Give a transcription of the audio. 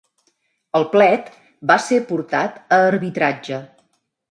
El plet va ser portat a arbitratge.